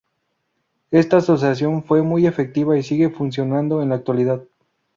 Esta Asociación fue muy efectiva y sigue funcionando en la actualidad.